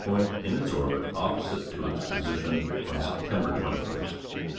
point in its orbit o ppos ite to its position on September 21st.